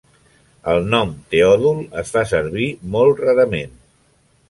El nom Teòdul es fa servir molt rarament.